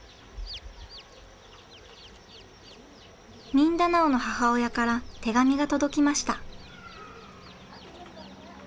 ミンダナオの母親から手紙が届きました。